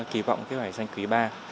kỳ vọng kết quả kinh doanh quý ba